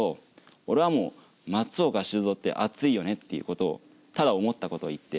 俺はもう松岡修造って熱いよねっていうことをただ思ったことを言って。